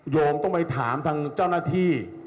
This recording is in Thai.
ต้องไปถามทางเจ้าหน้าที่